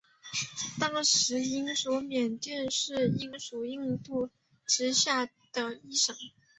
当时英属缅甸是英属印度之下的一省。